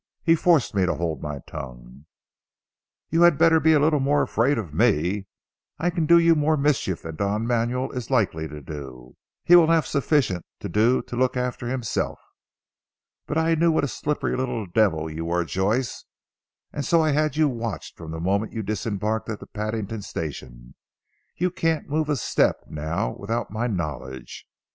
He forced me to hold my tongue." "You had better be a little more afraid of me. I can do you more mischief than Don Manuel is likely to do. He will have sufficient to do to look after himself. But I knew what a slippery little devil you were Joyce, and so I had you watched from the moment you disembarked at the Paddington station. You can't move a step now without my knowledge.